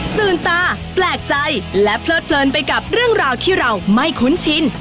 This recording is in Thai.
ตื่นตาแปลกใจและเพลิดเพลินไปกับเรื่องราวที่เราไม่คุ้นชิน